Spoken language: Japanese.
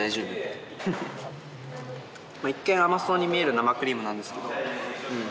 まぁ一見甘そうに見える生クリームなんですけどうん